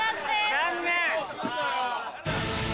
残念。